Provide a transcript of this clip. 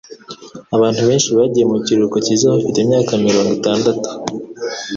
Abantu benshi bagiye mu kiruhuko cyiza bafite imyaka mirongo itandatu.